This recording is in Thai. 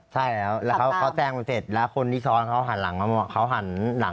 ใช่แล้วแล้วเขาแซงเสร็จแล้วคนที่ซ้อนเขาหันหลังก็มอง